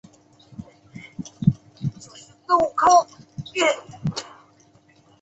设有栅栏式月台幕门。